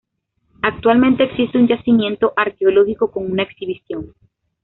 Actualmente existe un yacimiento arqueológico con una exhibición.